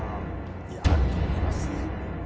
いやあると思いますって。